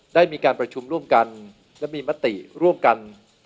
ได้มีการประชุมร่วมกันและมีมติร่วมกัน